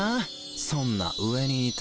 そんな上にいて。